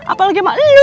apalagi sama elu